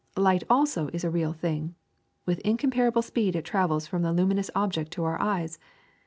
Light also is a real thing. With incomparable speed it travels from the luminous object to our eyes.